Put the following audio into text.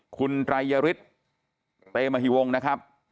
คุณไตรยฤทธิ์เตมหิวงนะครับ